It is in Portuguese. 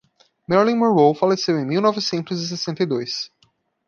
Marilyn Monroe faleceu em mil novecentos e sessenta e dois.